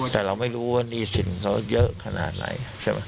แต่เราไม่รู้ว่านี่สิ่งเขาเยอะขนาดไหน